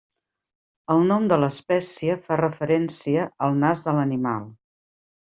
El nom de l'espècie fa referència al nas de l'animal.